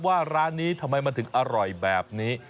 ว่าร้านนี้ทำไมมันถึงอร่อยแบบนี้